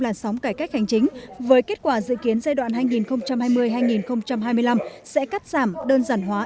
làn sóng cải cách hành chính với kết quả dự kiến giai đoạn hai nghìn hai mươi hai nghìn hai mươi năm sẽ cắt giảm đơn giản hóa